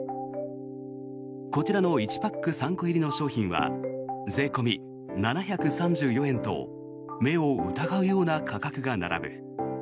こちらの１パック３個入りの商品は税込み７３４円と目を疑うような価格が並ぶ。